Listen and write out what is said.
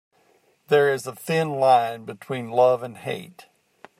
There is a thin line between love and hate.